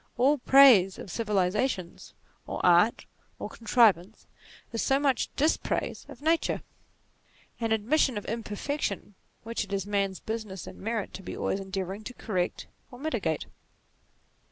All praise of Civilization, or Art, or Contrivance, is so much dispraise of Nature ; an admission of imperfection, which it is man's business, and merit, to be always endeavouring to correct or mitigate.